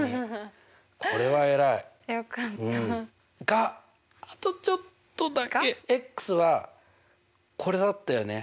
があとちょっとだけ。はこれだったよね。